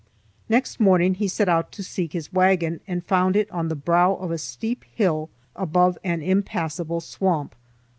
Next morning he set out to seek his wagon and found it on the brow of a steep hill above an impassable swamp.